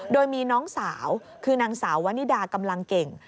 โดยมีน้องสาวคือนางสาววนิดากำลังเก่ง